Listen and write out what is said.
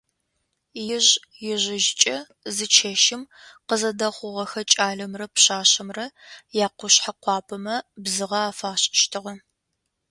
Ижъ-ижъыжькӏэ зы чэщым къызэдэхъугъэхэ кӏалэмрэ пшъашъэмрэ якъушъэ къуапэмэ бзыгъэ афашӏыщтыгъэ.